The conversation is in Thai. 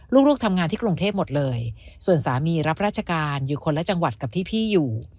ลูกทำงานที่กรุงเทพหมดเลยส่วนสามีรับราชการอยู่คนละจังหวัดกับที่พี่อยู่